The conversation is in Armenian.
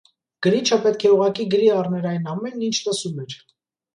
Գրիչը պետք է ուղղակի գրի առներ այն ամենն, ինչ լսում էր։